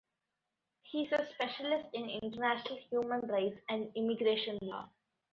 He is a specialist in international human rights and immigration law.